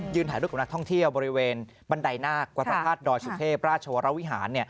ยืนถ่ายรถกับนักท่องเที่ยวบริเวณบันไดหน้ากว่าพระภาคดรสุทธิพราชวรวิหาร